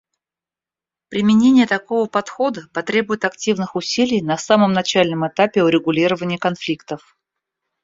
Применение такого подхода потребует активных усилий на самом начальном этапе урегулирования конфликтов.